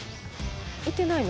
言ってないの？